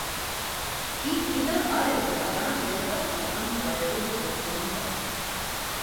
Կիկվիտը առևտրական և վարչական կարևոր կենտրոն է։